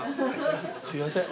すいません